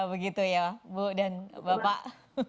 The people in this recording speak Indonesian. begitu ya bu dan bapak